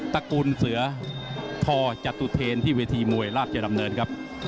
ระกูลเสือทอจตุเทนที่เวทีมวยราชดำเนินครับ